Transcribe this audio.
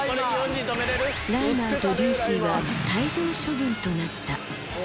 ライマーとデューシーは退場処分となった。